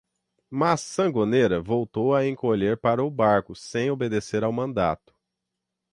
Mas Sangonera voltou a encolher para o barco sem obedecer ao mandato.